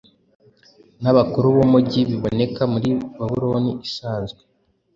nabakuru bumujyibiboneka muri Babuloni isanzwe